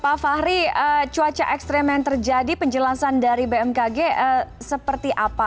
pak fahri cuaca ekstrim yang terjadi penjelasan dari bmkg seperti apa